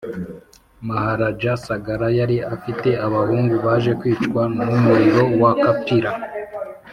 maharaja sagara yari afite abahungu baje kwicwa n’umuriro wa kapila